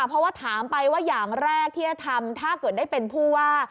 เพราะว่าถามไปว่าอย่างแรกที่จะทำถ้าเกิดได้เป็นผู้ว่า